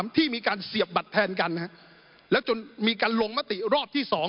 ที่มีการเสียบบัตรแทนกันแล้วจนมีการลงมติรอบที่๒